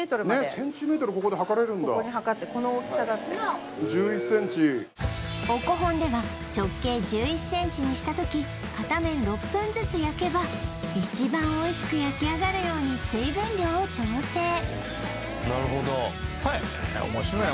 ここで測ってこの大きさだっておこほんでは直径１１ｃｍにした時片面６分ずつ焼けば一番おいしく焼き上がるように水分量を調整なるほどへえ面白いね